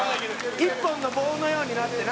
「一本の棒のようになってな」